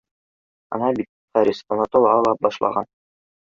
Ана бит, Харис, онотола ла башлаған